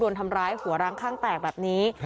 ทำร้ายหัวร้างข้างแตกแบบนี้